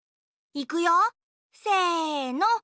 いくよせの。